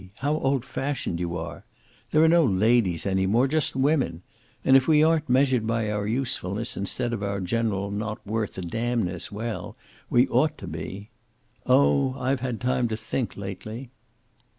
How old fashioned you are! There are no ladies any more. Just women. And if we aren't measured by our usefulness instead of our general not worth a damn ness, well, we ought to be. Oh, I've had time to think, lately."